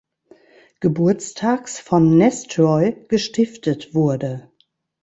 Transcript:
Geburtstags von Nestroy gestiftet wurde.